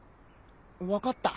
分かった。